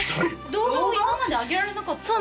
動画を今まで上げられなかったってこと？